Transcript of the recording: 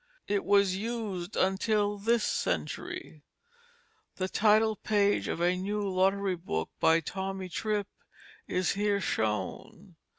It was used until this century. The title page of A New Lottery Book by Tommy Trip is here shown.